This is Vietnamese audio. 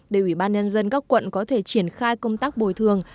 để ubnd các quận có thể triển khai công tác bồi thường